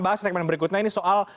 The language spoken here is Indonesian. bahas segmen berikutnya ini soal